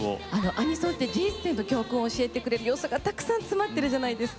アニソンって人生の教訓を教えてくれる要素がたくさん詰まってるじゃないですか。